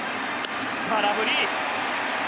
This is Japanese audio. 空振り。